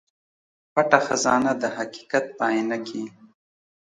پټه خزانه د حقيقت په اينه کې